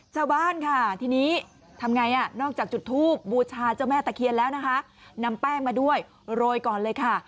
ชาวบ้านค่ะทีนี้ทำไงอ่ะนอกจากจุดทูบบูชาเจ้าแม่ตะเคียนแล้วนะคะนำแป้งมาด้วยโรยก่อนเลยค่ะ